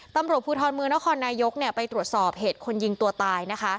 ตำรวจภูทรเมืองนครนายกไปตรวจสอบเหตุคนยิงตัวตายนะคะ